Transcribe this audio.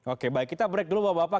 oke baik kita break dulu bapak bapak